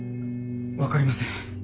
分かりません。